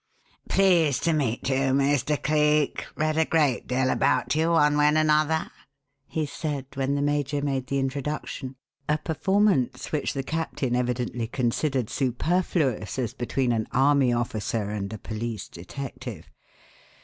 "Pleased to meet you, Mr. Cleek. Read a great deal about you one way and another," he said, when the major made the introduction a performance which the captain evidently considered superfluous as between an army officer and a police detective.